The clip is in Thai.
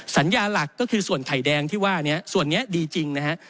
สัญญาหลักก็คือส่วนไข่แดงที่ว่านี้ส่วนนี้ดีจริงนะฮะ